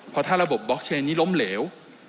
เพราะถ้าระบบบล็อกเชนนี้ล้มเหลว